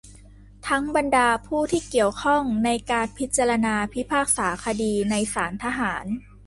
ทั้งบรรดาผู้ที่เกี่ยวข้องในการพิจารณาพิพากษาคดีในศาลทหาร